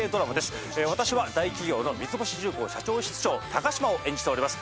私は大企業の三ツ星重工社長室長高島を演じております。